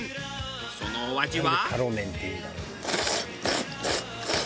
そのお味は？